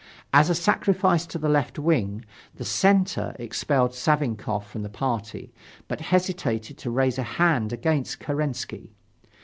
As a sacrifice to the left wing, the Center expelled Savinkof from the party, but hesitated to raise a hand against Kerensky.